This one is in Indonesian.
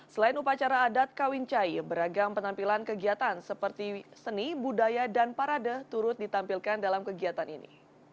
selain upacara adat kawincai beragam penampilan kegiatan seperti seni budaya dan parade turut ditampilkan dalam kegiatan ini